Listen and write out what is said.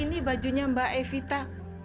ini bajunya mbak evita